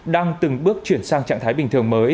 đang từng bước chuyển sang trạng thái bình thường mới